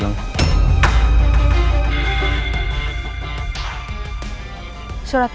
kamu mau ngapain